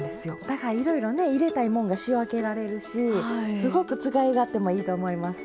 だからいろいろね入れたいもんが仕分けられるしすごく使い勝手もいいと思います。